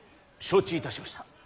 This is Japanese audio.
承知いたしました。